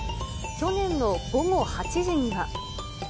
去年の午後８時には。